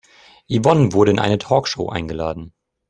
Yvonne wurde in eine Talkshow eingeladen.